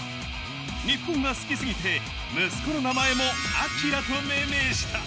日本が好きすぎて息子の名前もアキラと命名した。